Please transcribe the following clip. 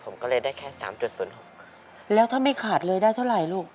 ผมก็เลยได้แค่สามจุดศูนย์หกแล้วถ้าไม่ขาดเลยได้เท่าไหร่ลูก